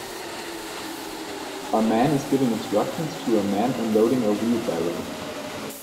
A man is giving instructions to a man unloading a wheelbarrow.